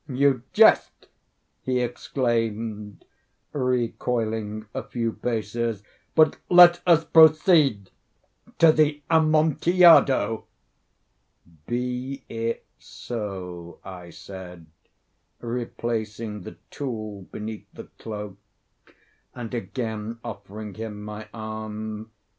"You jest," he exclaimed, recoiling a few paces. "But let us proceed to the Amontillado." "Be it so," I said, replacing the tool beneath the cloak, and again offering him my arm.